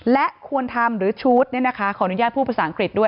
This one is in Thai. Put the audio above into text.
และควรทำหรือชูดเนี่ยนะคะขอนุญาตผู้ภาษาอังกฤษด้วย